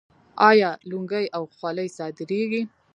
آیا لونګۍ او خولۍ صادریږي؟